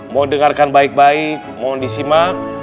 mau dengarkan baik baik mohon disimak